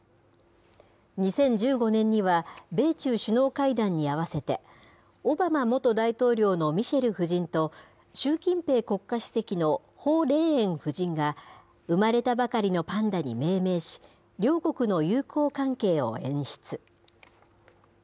２０１５年には米中首脳会談にあわせて、オバマ元大統領のミシェル夫人と、習近平国家主席の彭麗媛夫人が、生まれたばかりのパンダに命名し、両国の友好関係を演出。